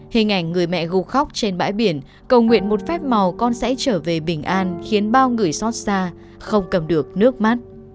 hình ảnh người mẹ gù khóc trên bãi biển cầu nguyện một phép màu con sẽ trở về bình an khiến bao người xót xa không cầm được nước mát